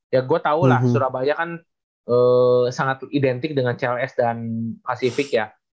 ya gue tau lah surabaya kan sangat identik dengan cls dan pacific ya